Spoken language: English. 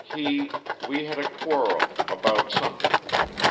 He we had a quarrel about something.